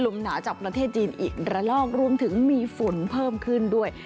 หนาจากประเทศจีนอีกระลอกรวมถึงมีฝนเพิ่มขึ้นด้วย